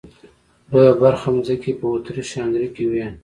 لويه برخه ځمکې یې په اتریش هنګري کې وې.